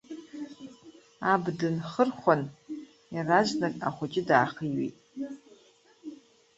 Аб дынхырхәан, иаразнак, ахәыҷы даахиҩеит.